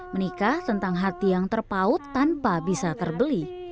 menikah tentang hati yang terpaut tanpa bisa terbeli